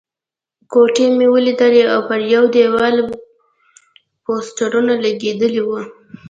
کوټې مې ولیدلې او پر یوه دېوال پوسټرونه لګېدلي وو.